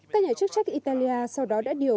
các nhà chức trách italia sau đó đã điều ba tàu đăng ký